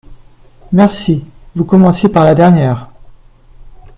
Merci, vous commencez par la dernière.